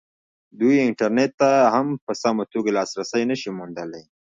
دوی انټرنېټ ته هم په سمه توګه لاسرسی نه شي موندلی.